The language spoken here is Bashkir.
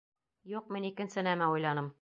— Юҡ, мин икенсе нәмә уйланым.